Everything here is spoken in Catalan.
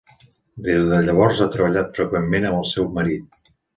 Des de llavors ha treballat freqüentment amb el seu marit.